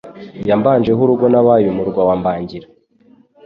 Yambanje ho urugo Nabaye umurwa wa Mbangira